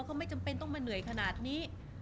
เขาไม่จำเป็นต้องมาเหนื่อยขนาดนี้